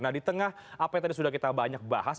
nah di tengah apa yang tadi sudah kita banyak bahas